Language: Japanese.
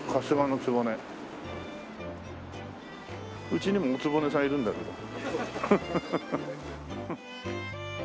うちにもおつぼねさんいるんだけど。